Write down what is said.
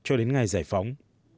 cho đến ngày giải phóng